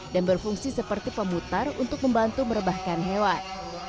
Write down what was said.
dan berfungsi seperti pemutar untuk membantu merebahkan hewan